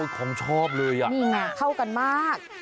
โอ้ยของชอบเลยอ่ะนี่เนี่ยเข้ากันมาก